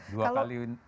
di tes lagi